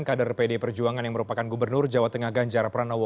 kader pd perjuangan yang merupakan gubernur jawa tengah ganjar pranowo